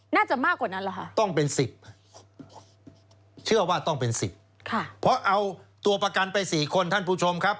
น่าจะมากกว่านั้นเหรอคะต้องเป็น๑๐เชื่อว่าต้องเป็น๑๐ค่ะเพราะเอาตัวประกันไป๔คนท่านผู้ชมครับ